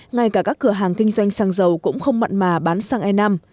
ngay cả các cửa hàng kinh doanh xăng dầu cũng không mặn mà bán sang e năm